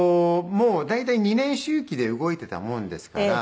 もう大体２年周期で動いてたもんですから。